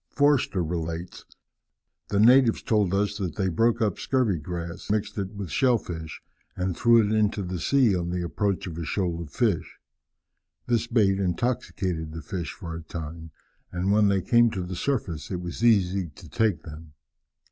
Forster relates: "The natives told us that they broke up scurvy grass, mixed it with shell fish, and threw it into the sea on the approach of a shoal of fish. This bait intoxicated the fish for a time, and when they came to the surface it was easy to take them.